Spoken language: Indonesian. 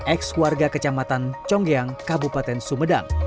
ex warga kecamatan conggiang kabupaten sumedang